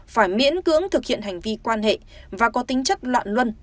phải miễn cưỡng thực hiện hành vi quan hệ và có tính chất loạn luân